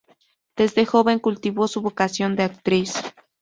Desde joven cultivó su vocación de actriz.